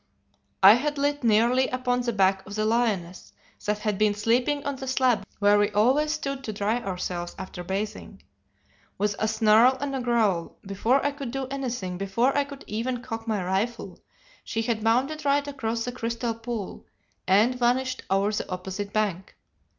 "I had lit nearly upon the back of the lioness, that had been sleeping on the slab where we always stood to dry ourselves after bathing. With a snarl and a growl, before I could do anything, before I could even cock my rifle, she had bounded right across the crystal pool, and vanished over the opposite bank.